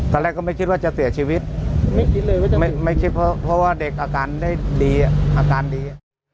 ตอนแรกก็ไม่คิดว่าจะเสียชีวิตไม่คิดเพราะว่าเด็กอาการได้ดีอาการดี